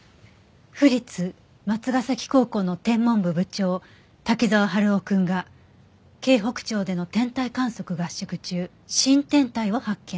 「府立松ヶ崎高校の天文部部長滝沢春夫君が京北町での天体観測合宿中新天体を発見」